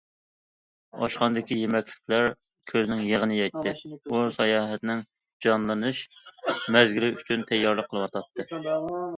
ئاشخانىدىكى يېمەكلىكلەر كۆزنىڭ يېغىنى يەيتتى، ئۇ ساياھەتنىڭ جانلىنىش مەزگىلى ئۈچۈن تەييارلىق قىلىۋاتاتتى.